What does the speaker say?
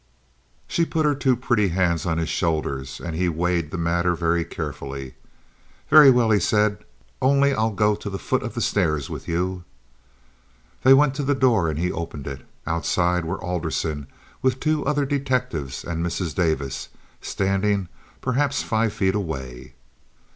She put her two pretty hands on his shoulders, and he weighed the matter very carefully. "Very well," he said, "only I'll go to the foot of the stairs with you." They went to the door and he opened it. Outside were Alderson with two other detectives and Mrs. Davis, standing perhaps five feet away.